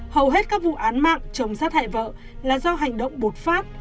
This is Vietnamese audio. hầu hết các vụ án mạng chồng sát hại vợ là do hành động bột phát